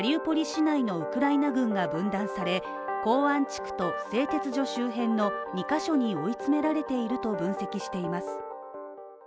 市内のウクライナ軍が分断され港湾地区と、製鉄所周辺の２カ所に追い詰められていると分析しています